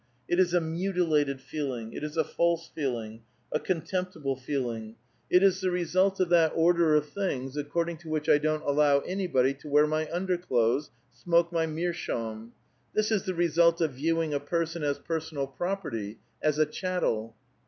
It is a mutilated feeling, it is a false feeling, a contemptible feel ing ; it is the result of that order of things, according to which I don't allow anybody to wear my underclothes, smoke njy meerschaum ; this is the result of viewing a person as personal property, as a chattel."